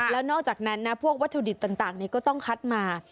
แล้วนอกจากนั้นนะพวกวัตถุดิบต่างก็ต้องคัดมา